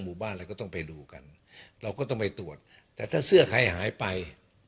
บ้านอะไรก็ต้องไปดูกันเราก็ต้องไปตรวจแต่ถ้าเสื้อใครหายไป